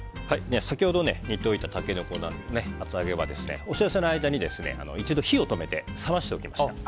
先ほど煮ておいたタケノコと厚揚げですがお知らせの間に一度火を止めて冷ましておきました。